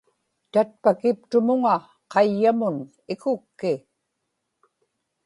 tatpakiptumuŋa qayyamun ikukki